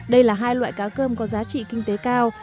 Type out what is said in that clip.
đây là hai loại cá cơm có giá trị kinh tế cao